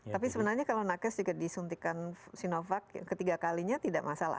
tapi sebenarnya kalau nakes juga disuntikan sinovac ketiga kalinya tidak masalah